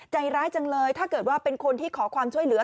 ใจร้ายจังเลยถ้าเกิดว่าเป็นคนที่ขอความช่วยเหลือ